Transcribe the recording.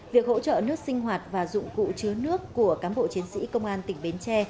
việc hỗ trợ nước sinh hoạt và dụng cụ chứa nước của cán bộ chiến sĩ công an tỉnh bến tre